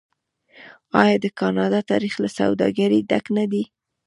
آیا د کاناډا تاریخ له سوداګرۍ ډک نه دی؟